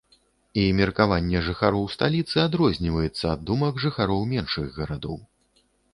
І меркаванне жыхароў сталіцы адрозніваецца ад думак жыхароў меншых гарадоў.